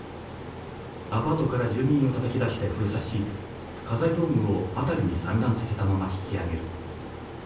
アパートから住民をたたき出して封鎖し家財道具を辺りに散乱させたまま引き揚げる。